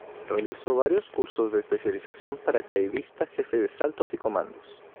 Realizó varios cursos de especialización, paracaidista, Jefe de Saltos y Comandos.